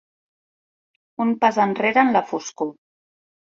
Un pas enrere en la foscor.